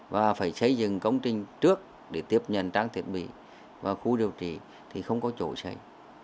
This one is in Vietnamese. và phải xây dựng công trình trước để tiếp nhận trang thiết bị vào khu điều trị thì không có chỗ xảy